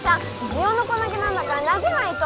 ジオノコ投げなんだから投げないと！